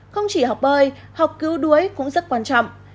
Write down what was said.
không chỉ học bơi học cứu đuối cũng rất quan trọng